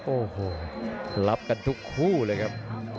โอ้โหรับกันทุกคู่เลยครับ